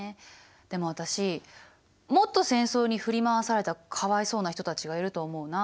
でも私もっと戦争に振り回されたかわいそうな人たちがいると思うな。